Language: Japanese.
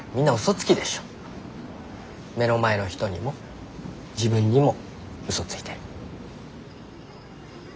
目の前の人にも自分にも嘘ついてる。